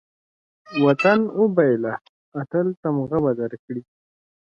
وطن وبېله، اتل تمغه به درکړي